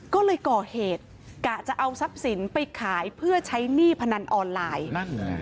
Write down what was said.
ก็เลยก่อเหตุกะจะเอาทรัพย์สินไปขายเพื่อใช้หนี้พนันออนไลน์นั่นไง